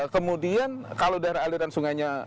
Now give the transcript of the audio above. kemudian kalau daerah aliran sungainya